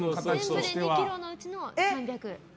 全部で２ｋｇのうちの３００ｇ。